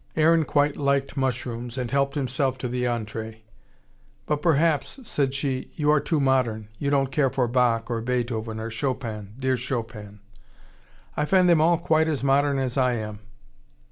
Aaron quite liked mushrooms, and helped himself to the entree. "But perhaps," said she, "you are too modern. You don't care for Bach or Beethoven or Chopin dear Chopin." "I find them all quite as modern as I am."